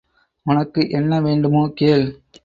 உனக்கு என்ன வேண்டுமோ கேள்.